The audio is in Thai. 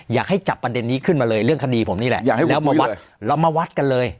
อยากให้จับประเด็นนี้ขึ้นมาเลยเรื่องคดีผมนี่แหละแล้วมาวัดเรามาวัดกันเลย